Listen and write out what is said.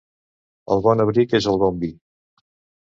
El bon abric és el bon vi.